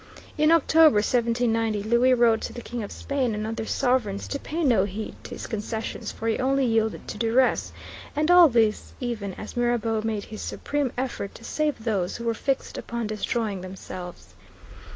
In October, 1790, Louis wrote to the King of Spain and other sovereigns to pay no heed to his concessions for he only yielded to duress, and all this even as Mirabeau made his supreme effort to save those who were fixed upon destroying themselves.